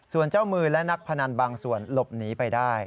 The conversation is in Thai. ส่วนเจ้ามือและนักพนันบางส่วนหลบหนีไปได้